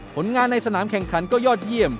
ผลงานในสนามแข่งขันก็ยอดเยี่ยม